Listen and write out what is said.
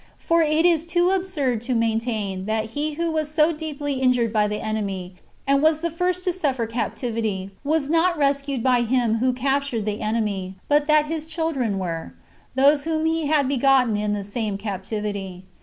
For it is too absurd to maintain, that he who was so deeply injured by the enemy, and was the first to suffer captivity, was not rescued by Him who con quered the enemy, but that his children w^ere, — those whom he had begotten in the same captivity.